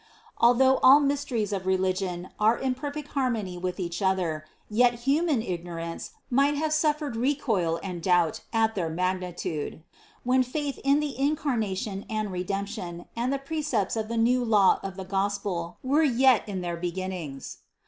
Al though all mysteries of religion are in perfect harmony with each other, yet human ignorance might have suf fered recoil and doubt at their magnitude, when faith in the Incarnation and Redemption and the precepts of the new law of the Gospel were yet in their beginnings.